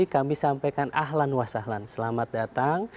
kami sampaikan ahlan was ahlan selamat datang